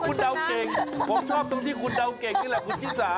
คุณเดาเก่งผมชอบตรงที่คุณเดาเก่งนี่แหละคุณชิสา